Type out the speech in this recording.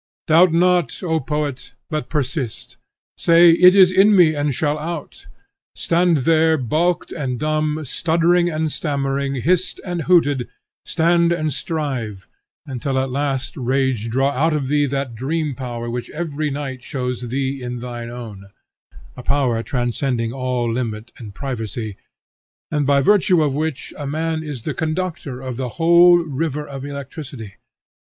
Doubt not, O poet, but persist. Say 'It is in me, and shall out.' Stand there, balked and dumb, stuttering and stammering, hissed and hooted, stand and strive, until at last rage draw out of thee that dream power which every night shows thee is thine own; a power transcending all limit and privacy, and by virtue of which a man is the conductor of the whole river of electricity.